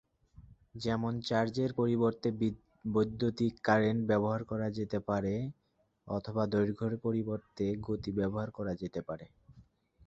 যেমন চার্জের পরিবর্তে বৈদ্যুতিন কারেন্ট ব্যবহার করা যেতে পারে অথবা দৈর্ঘ্যের পরিবর্তে গতি ব্যবহার করা যেতে পারে।